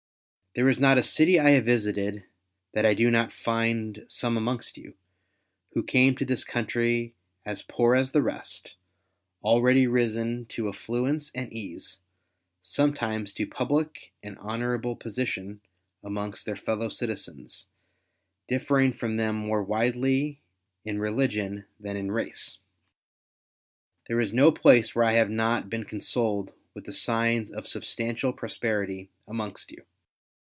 There is not a city I have visited that I do not find some amongst you, who came to this country as poor as the rest, already risen to affluence and ease, sometimes to public and honourable position amongst their fellow citizens differing from them more widely in religion than in race. There is no place where I have not been consoled with the signs of substantial prosperity amongst you.